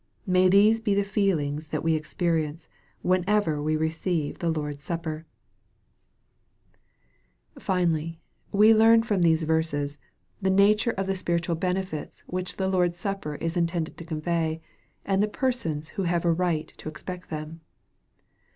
May these be the feelings that we experience, whenever we receive the I ord's supper 1 310 EXPOSITORY THOUGHTS. Finally, we learn from these verses, the nature of the spiritual benefits which the Lord's supper is intended to convey, and the persons who have a right to expect them.